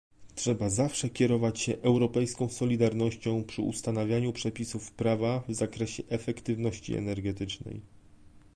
Trzeba zawsze kierować się europejską solidarnością przy ustanawianiu przepisów prawa w zakresie efektywności energetycznej